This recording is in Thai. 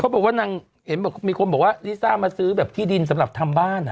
บอกว่านางเห็นบอกมีคนบอกว่าลิซ่ามาซื้อแบบที่ดินสำหรับทำบ้านอ่ะ